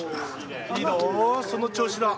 いいどーその調子だ。